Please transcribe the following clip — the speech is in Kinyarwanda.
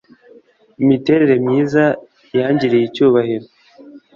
Imiterere myiza yangiriye icyubahiro